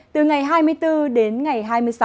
từ ngày hai mươi bốn đến ngày hai mươi sáu